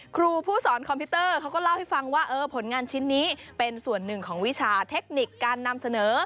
ครูผู้สอนคอมพิวเตอร์เขาก็เล่าให้ฟังว่าผลงานชิ้นนี้เป็นส่วนหนึ่งของวิชาเทคนิคการนำเสนอ